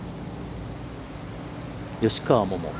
吉川桃。